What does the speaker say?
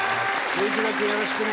龍一郎君よろしくね！